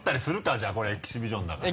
じゃあこれエキシビションだから。